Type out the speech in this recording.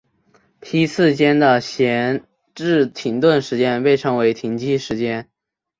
批次间的闲置停顿时间被称为停机时间。